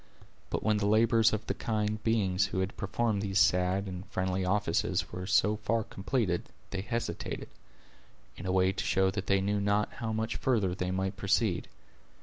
But when the labors of the kind beings who had performed these sad and friendly offices were so far completed, they hesitated, in a way to show that they knew not how much further they might proceed.